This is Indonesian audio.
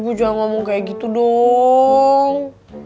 ibu jangan ngomong kayak gitu dong